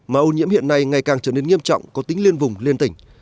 mà ôn diễm hiện nay ngày càng trở nên nghiêm trọng có tính liên vùng liên tỉnh